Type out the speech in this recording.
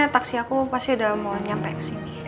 tapi taksi aku pasti udah mau nyampe ke sini